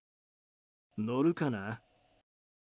乗るかな。。